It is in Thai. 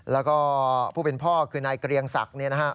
แล้วก็ผู้เป็นพ่อคือนายเกรียงศักดิ์เนี่ยนะฮะ